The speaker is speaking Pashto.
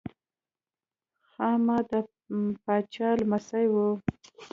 خاما د پاچا لمسی و.